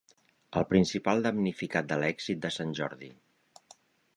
El principal damnificat de l'èxit de Sant Jordi.